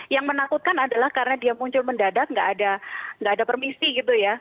yang menakutkan adalah karena dia muncul mendadak nggak ada permisi gitu ya